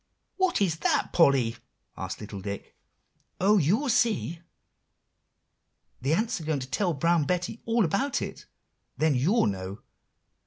"What is that, Polly?" asked little Dick. "Oh, you'll see! the ants are going to tell Brown Betty all about it; then you'll know.